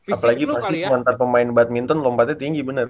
apalagi pasti nanti pemain badminton lompatnya tinggi bener